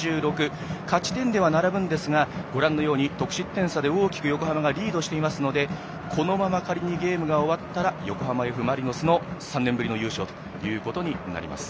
勝ち点では並ぶんですが得失点差で大きく横浜がリードしていますのでこのまま仮にゲームが終わったら横浜Ｆ・マリノスの３年ぶりの優勝となります。